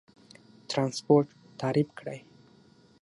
ترانسپورت تعریف کړئ.